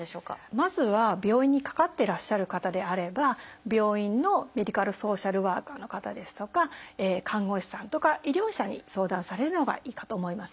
まずは病院にかかっていらっしゃる方であれば病院のメディカルソーシャルワーカーの方ですとか看護師さんとか医療者に相談されるのがいいかと思います。